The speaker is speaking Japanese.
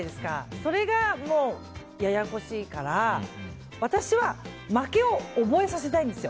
それが、ややこしいから私は負けを覚えさせたいんですよ。